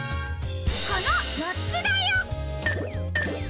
このよっつだよ！